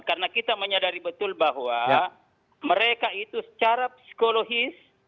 karena kita menyadari betul bahwa mereka itu secara psikologis